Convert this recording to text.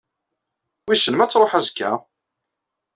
Wissen ma ad d-truḥ azekka?